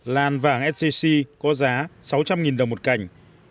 lan vàng sgc có giá sáu trăm linh đồng một cành